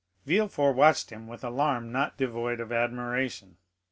Villefort watched him with alarm not devoid of admiration.